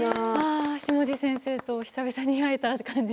下地先生と久々に会えた感じ。